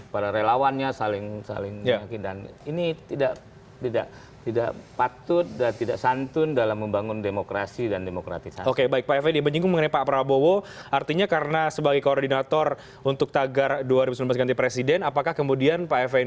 para para pemerintah yang berpikir pikir